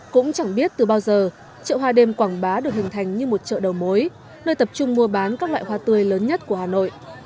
cũng chẳng biết từ bao giờ chợ hoa đêm quảng bá được hình thành như một chợ đầu mối nơi tập trung mua bán các loại hoa tươi lớn nhất của hà nội